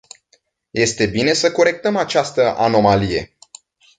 Este bine să corectăm această anomalie.